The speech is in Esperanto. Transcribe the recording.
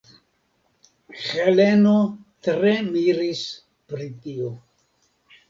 Heleno tre miris pri tio.